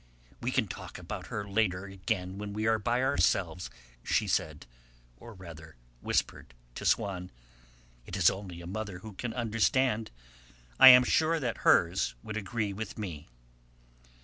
"We can talk about her again when we are by ourselves," she said, or rather whispered to Swann. "It is only a mother who can understand. I am sure that hers would agree with me."